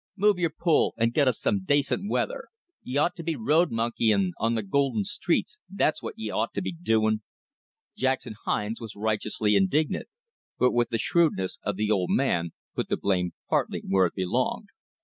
Move yor pull, an' get us some dacint weather! Ye awt t' be road monkeyin' on th' golden streets, thot's what ye awt to be doin'!" Jackson Hines was righteously indignant, but with the shrewdness of the old man, put the blame partly where it belonged.